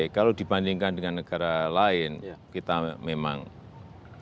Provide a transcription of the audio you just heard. kalau dibandingkan dengan negara lain kita memang